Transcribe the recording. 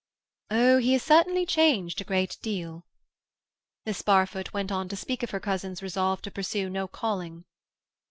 "Oh, he has certainly changed a great deal." Miss Barfoot went on to speak of her cousin's resolve to pursue no calling.